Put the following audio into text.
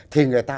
thì người ta